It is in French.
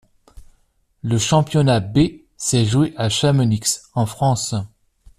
Le championnat B s'est joué à Chamonix en France.